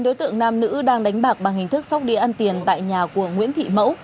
đối tượng nam nữ đang đánh bạc bằng hình thức sóc đi ăn tiền tại nhà của nguyễn thị mẫu